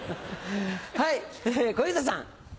はい小遊三さん。